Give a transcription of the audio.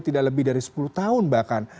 tidak lebih dari sepuluh tahun bahkan